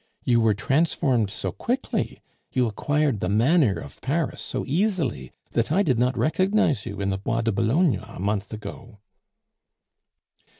You were transformed so quickly, you acquired the manner of Paris so easily, that I did not recognize you in the Bois de Boulogne a month ago."